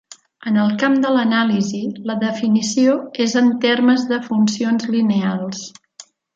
En el camp de l'anàlisi, la definició és en termes de funcions lineals.